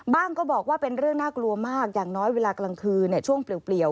ก็บอกว่าเป็นเรื่องน่ากลัวมากอย่างน้อยเวลากลางคืนช่วงเปลี่ยว